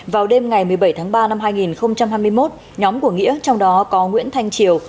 vào đêm ngày một mươi bảy tháng ba năm hai nghìn hai mươi một nhóm của nghĩa trong đó có nguyễn thanh triều